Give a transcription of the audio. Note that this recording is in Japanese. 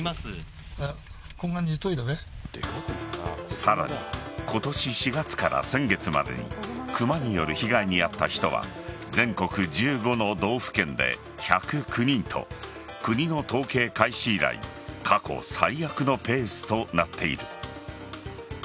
さらに今年４月から先月までにクマによる被害に遭った人は全国１５の道府県で１０９人と、国の統計開始以来過去最悪のペースとなっている。